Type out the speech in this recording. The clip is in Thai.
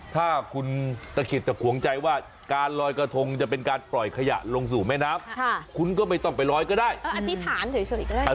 ถ้าคุณตะเขียนแต่ควงใจว่าการรอยกระทงจะเป็นการปล่อยขยะลงสู่แม่น้ำคุณก็ไม่ต้องไปล้อยก็ได้